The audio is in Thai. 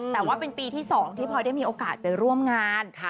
แต่ว่าเป็นปีที่๒ที่พลอยได้มีโอกาสไปร่วมงาน